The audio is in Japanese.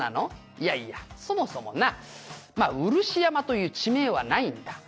「いやいやそもそもなまあ漆山という地名はないんだ」